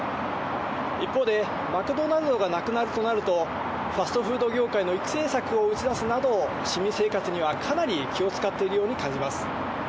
一方で、マクドナルドがなくなるとなると、ファストフード業界の育成策を打ち出すなど、市民生活にはかなり気を使っているように感じます。